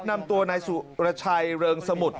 นำตัวนายสุรชัยเริงสมุทร